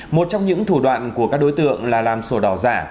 một trong những thủ đoạn của các đối tượng là làm sổ đỏ giả